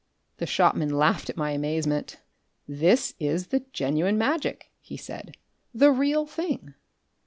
The shopman laughed at my amazement. "This is the genuine magic," he said. "The real thing."